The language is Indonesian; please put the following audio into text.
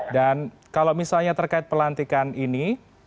dan kalau misalnya terkait pelantikan ini